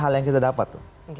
hal yang kita dapat